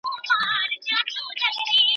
په خبرو کي به مو د نورو لپاره امید وي.